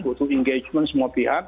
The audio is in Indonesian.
butuh engagement semua pihak